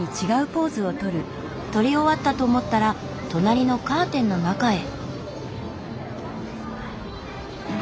撮り終わったと思ったら隣のカーテンの中へ。